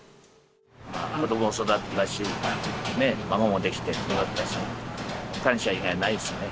子どもも育てたし、孫も出来て育てたし、感謝以外ないですね。